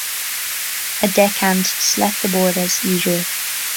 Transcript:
A deck hand slept aboard as usual.